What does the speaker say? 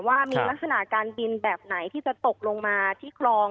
ว่ามีลักษณะการบินแบบไหนที่จะตกลงมาที่คลอง